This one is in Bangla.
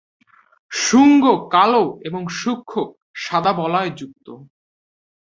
শুঙ্গ কালো এবং সূক্ষ্ম সাদা বলয় যুক্ত।